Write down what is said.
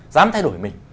dám thay đổi mình